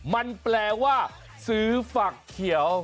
มันแปลว่าซื้อฝักเขียว